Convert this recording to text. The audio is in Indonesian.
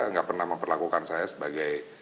nggak pernah memperlakukan saya sebagai